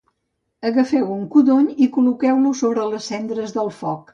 Agafeu un codony i col·loqueu-lo sobre les cendres del foc